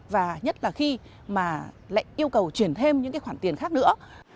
và nhất là khi mà lại yêu cầu chuyển thêm những cái khoản tiền khác nữa